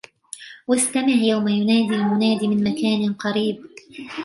واستمع يوم يناد المناد من مكان قريب